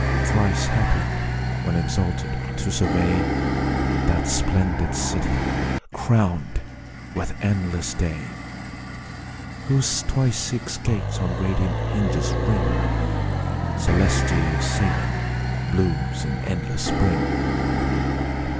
Thrice happy, when exalted to survey That splendid city, crown'd with endless day, Whose twice six gates on radiant hinges ring: Celestial Salem blooms in endless spring.